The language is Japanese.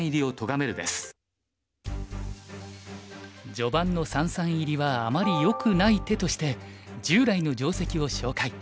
序盤の三々入りはあまりよくない手として従来の定石を紹介。